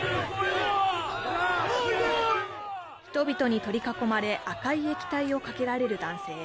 人々に取り囲まれ赤い液体をかけられる男性。